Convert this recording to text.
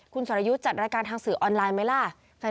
คุณสรยุทธ์จัดรายการทางสื่อออนไลน์ไหมล่ะ